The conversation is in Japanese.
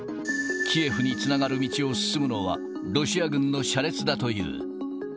キエフにつながる道を進むのは、ロシア軍の車列だという。